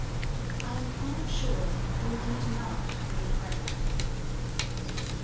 "I AM QUITE SURE YOU NEED NOT BE AFRAID."